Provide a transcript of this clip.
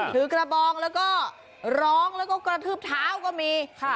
ถือกระบองแล้วก็ร้องแล้วก็กระทืบเท้าก็มี